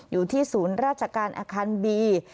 อยู่ที่ศูนย์ราชการอาคารบี